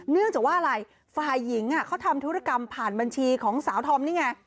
เนื่องจากว่าอะไรฝ่ายหญิงเขาทำธุรกรรมผ่านบัญชีของสาวธอมนี่ไง